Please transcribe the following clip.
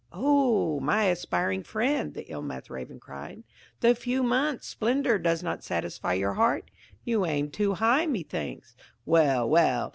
"Oh, my aspiring friend," the ill mouthed Raven cried, "the few months' splendour does not satisfy your heart! You aim too high, methinks. Well, well!